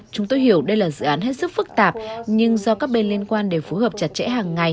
chúng tôi hiểu đây là dự án hết sức phức tạp nhưng do các bên liên quan để phù hợp chặt chẽ hàng ngày